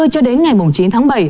cho đến ngày chín tháng bảy